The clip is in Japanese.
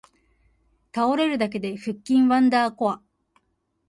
倒れるだけで腹筋ワンダーコア